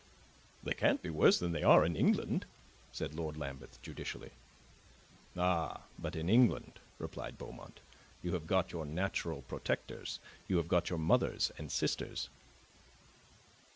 "They can't be worse than they are in England," said Lord Lambeth judicially. "Ah, but in England," replied Beaumont, "you have got your natural protectors. You have got your mother and sisters."